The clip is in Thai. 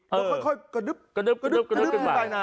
นีบแล้วค่อยกระดึ๊บขึ้นไป